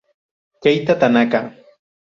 Keita Tanaka